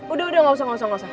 udah udah gak usah gakusah